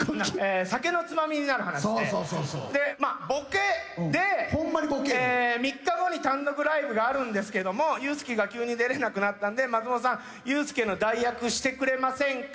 『酒のツマミになる話』でボケで３日後に単独ライブがあるんですけどもユースケが急に出れなくなったんで松本さんユースケの代役してくれませんか？